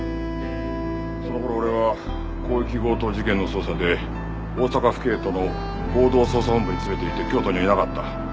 その頃俺は広域強盗事件の捜査で大阪府警との合同捜査本部に詰めていて京都にはいなかった。